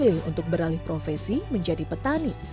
memilih untuk beralih profesi menjadi petani